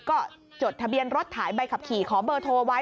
ก็จดทะเบียนรถถ่ายใบขับขี่เขาบทอไว้